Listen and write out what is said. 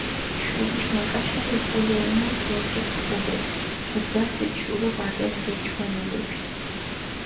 შურიშ მაკაშალო ხოლო უმოს ბორჯი ქუღუდეს, მუდგასით შურო ვარდეს გერჩქვანელეფი.